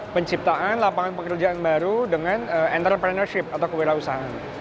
penciptaan lapangan pekerjaan baru dengan entrepreneurship atau kewirausahaan